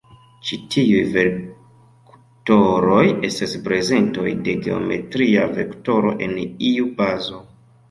Ĉi tiuj vektoroj estas prezentoj de geometria vektoro en iu bazo.